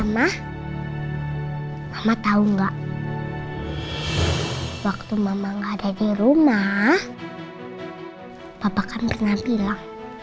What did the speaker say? papa kan pernah bilang